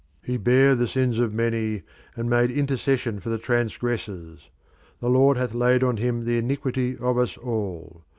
"He bare the sins of many, and made intercession for the transgressors. The Lord hath laid on him the iniquity of us all.